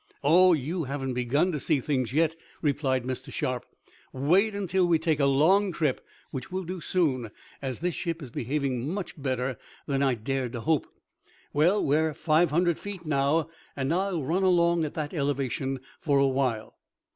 "Oh, you haven't begun to see things yet," replied Mr. Sharp. "Wait until we take a long trip, which we'll do soon, as this ship is behaving much better than I dared to hope. Well, we're five hundred feet high now, and I'll run along at that elevation for a while."